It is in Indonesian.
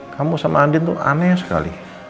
kamu sama andin itu aneh sekali